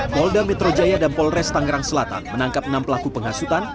polda metro jaya dan polres tangerang selatan menangkap enam pelaku penghasutan